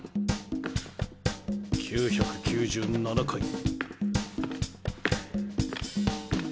９９７回。